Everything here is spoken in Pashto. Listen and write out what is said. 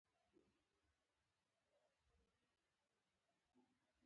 لنډۍ د پښتو د شعر تر ټولو لرغونی ډول دی.